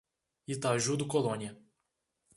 Itaju do Colônia